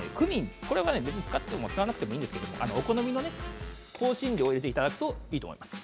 これは使っても使わなくてもいいんですけれどもお好みの香辛料を入れていただくといいと思います。